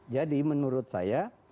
jadi menurut saya